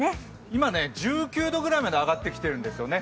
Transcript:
今、１９度ぐらいまで上がってきてるんですよね。